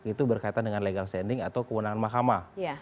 itu berkaitan dengan legal standing atau kewenangan mahkamah